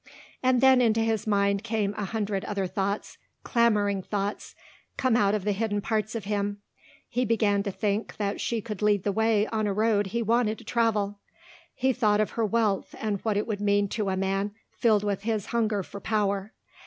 And then into his mind came a hundred other thoughts, clamouring thoughts, come out of the hidden parts of him. He began to think that she could lead the way on a road he wanted to travel. He thought of her wealth and what it would mean to a man filled with his hunger for power.